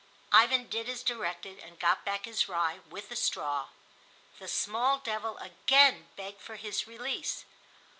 '" Ivan did as directed, and got back his rye with the straw. The small devil again begged for his release.